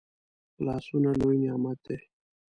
لاسونه لوي نعمت دی